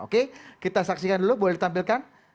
oke kita saksikan dulu boleh ditampilkan